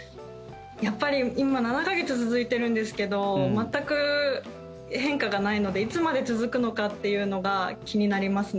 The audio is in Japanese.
やっぱり今７か月続いてるんですけど全く変化がないのでいつまで続くのかというのが気になりますね。